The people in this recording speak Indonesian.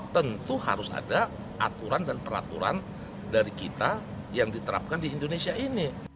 tentu harus ada aturan dan peraturan dari kita yang diterapkan di indonesia ini